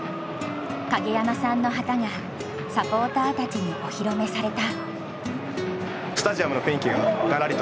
影山さんの旗がサポーターたちにお披露目された。